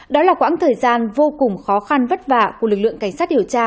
đó là quãng thời gian vô cùng khó khăn vất vả của lực lượng cảnh sát điều tra